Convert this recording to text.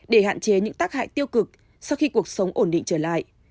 để hạn chế những tác hại tiêu cực sau khi cuộc sống ổn định trở lại